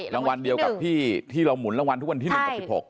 รางวัลเดียวกับที่เราหมุนรางวัลทุกวันที่๑กับ๑๖